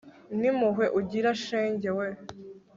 n'impuhwe ugira shenge we